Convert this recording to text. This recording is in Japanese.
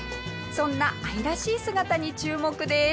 そんな愛らしい姿に注目です。